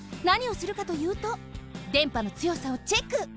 なにをするかというと電波のつよさをチェック！